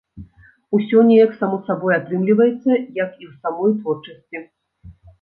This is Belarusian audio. Усё неяк само сабой атрымліваецца, як і ў самой творчасці.